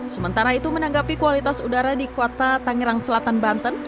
sementara itu menanggapi kualitas udara di kota tangerang selatan banten